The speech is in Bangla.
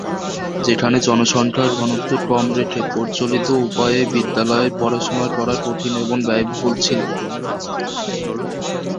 যেখানে জনসংখ্যার ঘনত্ব কম রেখে প্রচলিত উপায়ে বিদ্যালয়ে পড়াশোনা করা কঠিন এবং ব্যয়বহুল ছিল।